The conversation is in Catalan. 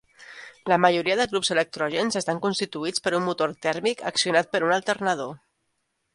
La majoria de grups electrògens estan constituïts per un motor tèrmic accionat per un alternador.